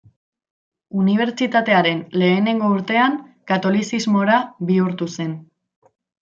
Unibertsitatearen lehenengo urtean katolizismora bihurtu zen.